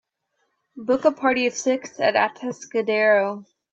book a party of six at Atascadero